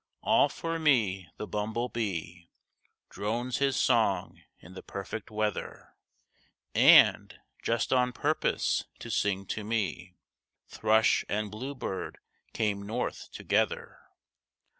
All for me the bumble bee Drones his song in the perfect weather; And, just on purpose to sing to me, Thrush and blue bird came North together.